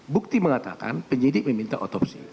bukti mengatakan penyidik meminta otopsi